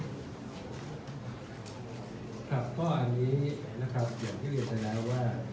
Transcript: อันนี้นะครับอย่างที่หลีกแสดงแล้วว่า